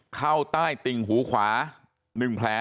เข้าใต้ติ่งหูขวา๑แผล